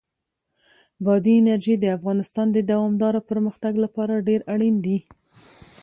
بادي انرژي د افغانستان د دوامداره پرمختګ لپاره ډېر اړین دي.